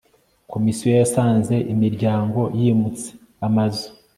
komisiyo yasanze imiryango yimutse amazu